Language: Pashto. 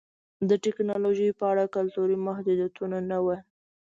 د ټکنالوژۍ په اړه کلتوري محدودیتونه نه وو